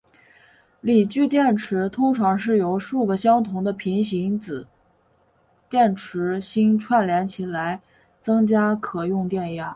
锂聚电池通常是由数个相同的平行子电池芯串联来增加可用电压。